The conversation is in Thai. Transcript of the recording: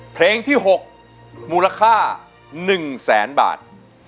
เพลงที่๖มูลค่า๑๐๐๐๐๐บาท